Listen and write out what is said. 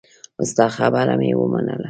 ستا خبره مې ومنله.